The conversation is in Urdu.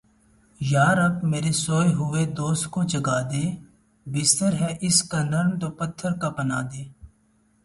یا رب میرے سوئے ہوئے دوست کو جگا دے۔ بستر ہے اس کا نرم تو پتھر کا بنا دے